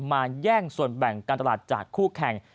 แย่งส่วนแบ่งการตลาดจากคู่แข่ง